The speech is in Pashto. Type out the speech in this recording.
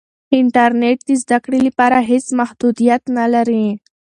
انټرنیټ د زده کړې لپاره هېڅ محدودیت نه لري.